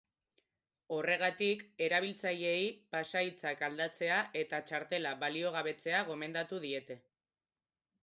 Horregatik, erabiltzaileei pasahitzak aldatzea eta txartela baliogabetzea gomendatu diete.